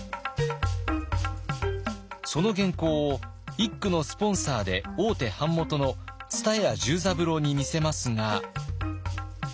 その原稿を一九のスポンサーで大手版元の蔦屋重三郎に見せますが。